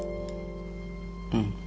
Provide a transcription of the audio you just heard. うん。